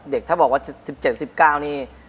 ถ้าบอกว่า๑๗๑๙นี่